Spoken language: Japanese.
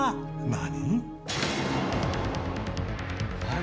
何？